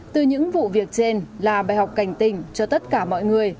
từ những vụ việc trên là bài học cảnh tình cho tất cả mọi người